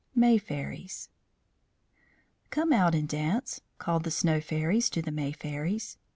MAY FAIRIES "Come out and dance," called the Snow Fairies to the May Fairies.